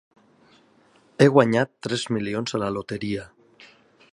He guanyat tres milions a la loteria.